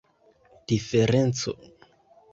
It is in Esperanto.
diferenco